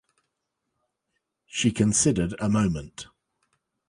She considered a moment.